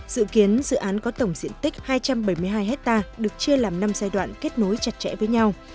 dự kiến dự án có tổng diện tích hai trăm bảy mươi hai hectare được chia làm năm giai đoạn kết nối chặt chẽ với nhau